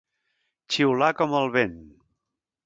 Xiular com el vent.